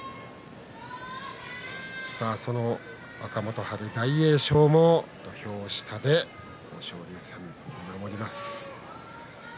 その若元春、大栄翔も土俵下で豊昇龍戦、見守ります。